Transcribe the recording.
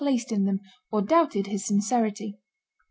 placed in them, or doubted his sincerity.